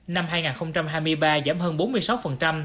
năm hai nghìn hai mươi ba giảm hơn bốn mươi sáu